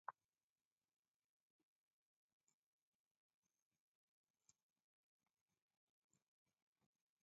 Kusekabane na kiambaza, kuakuvavira